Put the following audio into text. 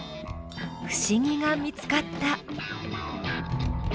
不思議が見つかった。